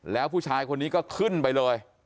แล้วผู้ชายคนนี้ก็ขึ้นไปเลย